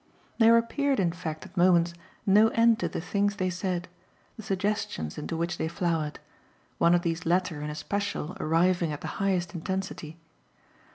There appeared in fact at moments no end to the things they said, the suggestions into which they flowered; one of these latter in especial arriving at the highest intensity.